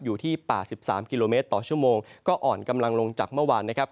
อยู่ที่๘๓กิโลเมตรต่อชั่วโมงก็อ่อนกำลังลงจากเมื่อวานนะครับ